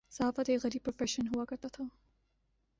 صحافت ایک غریب پروفیشن ہوا کرتاتھا۔